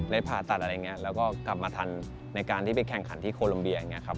ได้ผ่าตัดอะไรอย่างนี้แล้วก็กลับมาทันในการที่ไปแข่งขันที่โคลมเบีย